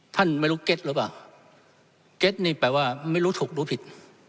ไม่รู้เก็ตหรือเปล่าเก็ตนี่แปลว่าไม่รู้ถูกรู้ผิด